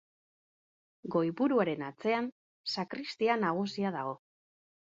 Goi-buruaren atzean, sakristia nagusia dago.